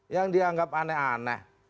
yang dianggap aneh aneh